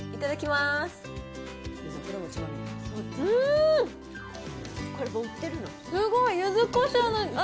すごいゆずこしょうの味